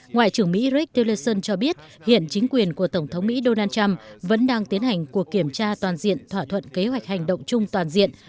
ngoại trưởng mỹ rick theleson cho biết hiện chính quyền của tổng thống mỹ donald trump vẫn đang tiến hành cuộc kiểm tra toàn diện thỏa thuận kế hoạch hành động chung toàn diện